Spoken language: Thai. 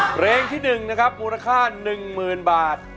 เพลงที่๑นะครับมูลค่า๑๐๐๐บาท